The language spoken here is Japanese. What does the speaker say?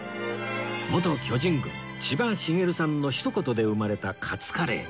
元巨人軍千葉茂さんのひと言で生まれたカツカレー